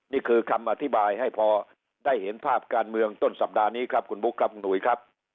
นี่คือคำอธิบายให้พอได้เห็นภาพการเมืองต้นสัปดาห์นี้ครับคุณบุ๊คครับคุณหนุ่ยครับ